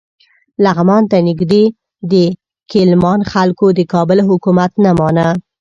لغمان ته نږدې د کیلمان خلکو د کابل حکومت نه مانه.